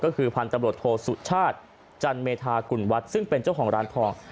ก็คือพันธุ์ตำรวจโทสุชาชจันเมธาขุนวัดซึ่งเป็นเจ้าของร้านทอง